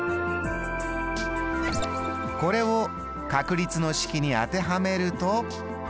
これを確率の式に当てはめると。